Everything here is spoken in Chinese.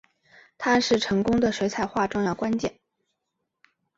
它是成功的水彩画重要关键。